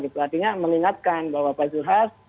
artinya mengingatkan bahwa pak zulhas